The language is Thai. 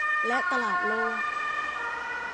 และตลาดโลก